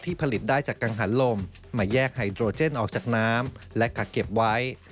ผลิตได้จากกังหันลมมาแยกไฮโดรเจนออกจากน้ำและกักเก็บไว้